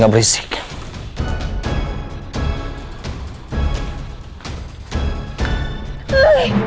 ayuh cepet sakit